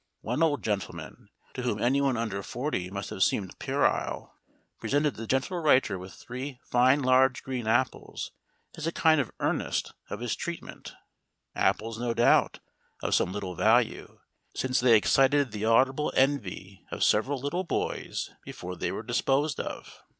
One old gentleman to whom anyone under forty must have seemed puerile presented the gentle writer with three fine large green apples as a kind of earnest of his treatment: apples, no doubt, of some little value, since they excited the audible envy of several little boys before they were disposed of.